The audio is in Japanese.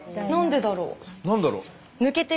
何だろう？